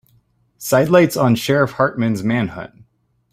Sidelights on Sheriff Hartman's manhunt.